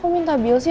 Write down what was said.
kok minta bil sih